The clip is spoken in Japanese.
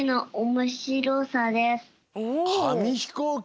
かみひこうき！